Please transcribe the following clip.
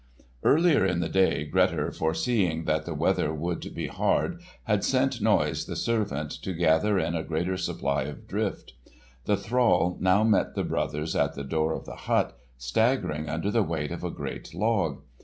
Earlier in the day Grettir, foreseeing that the weather would be hard, had sent Noise, the servant, to gather in a greater supply of drift. The thrall now met the brothers at the door of the hut, staggering under the weight of a great log.